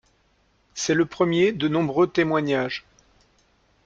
C'est le premier de nombreux témoignages.